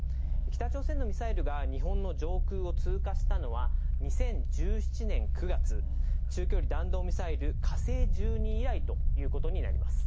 北朝鮮のミサイルが日本の上空を通過したのは、２０１７年９月、中距離弾道ミサイル火星１２以来ということになります。